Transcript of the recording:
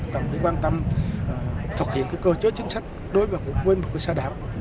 cần phải quan tâm thực hiện cơ chế chính sách đối với một cơ sở đảo